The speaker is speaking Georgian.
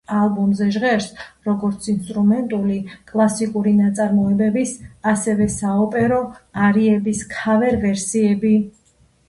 ალბომზე ჟღერს როგორც ინსტრუმენტული კლასიკური ნაწარმოებების, ასევე საოპერო არიების ქავერ-ვერსიები.